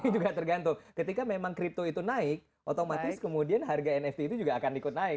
juga tergantung ketika memang crypto itu naik otomatis kemudian harga nft itu juga akan ikut naik